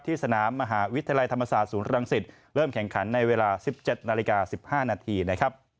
สนามมหาวิทยาลัยธรรมศาสตร์ศูนย์รังสิตเริ่มแข่งขันในเวลา๑๗นาฬิกา๑๕นาทีนะครับ